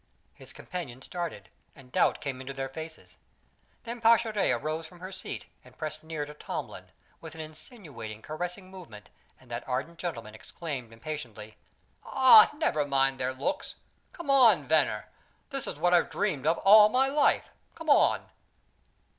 His companions started, and doubt came into their faces. Then Pascherette arose from her seat and pressed near to Tomlin, with an insinuating, caressing movement; and that ardent gentleman exclaimed impatiently: "Oh, never mind their looks! Come on Venner! This is what I've dreamed of all my life! Come on!"